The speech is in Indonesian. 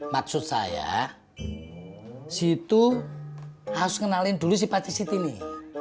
maksud saya si itu harus kenalin dulu si patet siti nih